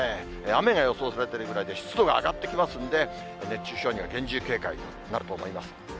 雨が予想されてるぐらいで、湿度が上がってきますんで、熱中症には厳重警戒となると思います。